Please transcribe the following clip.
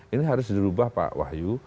ini harus dirubah pak wahyu